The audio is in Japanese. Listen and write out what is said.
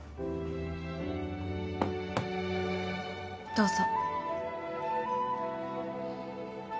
どうぞ。